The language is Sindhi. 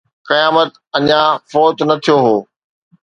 قيامت اڃا فوت نه ٿيو هو